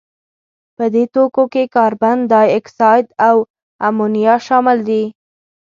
په دې توکو کې کاربن دای اکساید او امونیا شامل دي.